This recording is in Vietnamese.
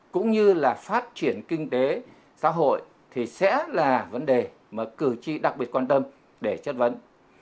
cũng như là phát triển kinh tế xã hội thì sẽ là vấn đề mà cử tri đặc biệt quan tâm để chất vấn